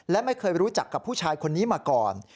และไม่เคยรู้จักกับผู้ชายคนนี้มาก่อน